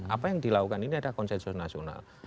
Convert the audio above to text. apa yang dilakukan ini adalah konsensus nasional